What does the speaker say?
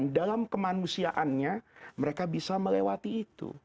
dan dalam kemanusiaannya mereka bisa melewati itu